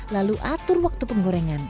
lalu atur waktu penggorengan